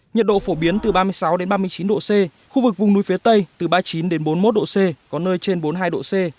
nhiệt độ phổ biến từ ba mươi sáu ba mươi chín độ c khu vực vùng núi phía tây từ ba mươi chín bốn mươi một độ c có nơi trên bốn mươi hai độ c